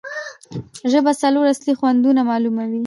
ژبه څلور اصلي خوندونه معلوموي.